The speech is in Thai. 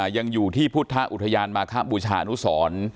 ยังอยู่ที่พุทธอุทยานมาคบูชาอนุสร